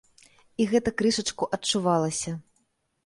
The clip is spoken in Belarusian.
І гэта крышачку адчувалася.